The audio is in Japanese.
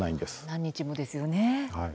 何日もですよね。